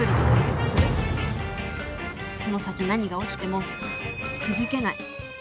この先何が起きてもくじけない。